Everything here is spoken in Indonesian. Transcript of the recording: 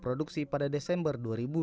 produksi pada desember dua ribu dua puluh